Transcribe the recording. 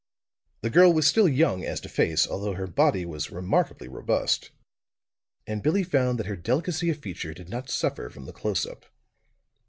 The girl was still young as to face, although her body was remarkably robust. And Billie found that her delicacy of feature did not suffer from the close up.